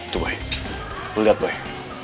tuh boy lu lihat boy